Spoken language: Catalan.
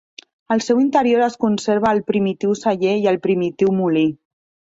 Al seu interior es conserva el primitiu celler i el primitiu molí.